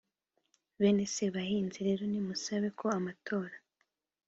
bene sebahinzi rero nimusabe ko amatora